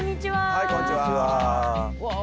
はいこんにちは。